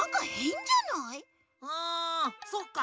あそっか。